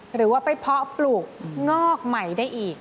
หรือว่าไปเพาะปลูกงอกใหม่ได้อีก